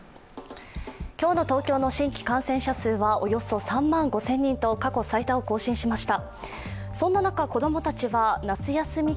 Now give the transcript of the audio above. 今日の東京の新規感染者数はおよそ３万５０００人と過去最多を更新しました。